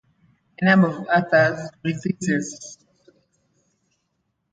A number of other releases also exist.